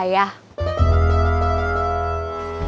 kau mau ke tempat ini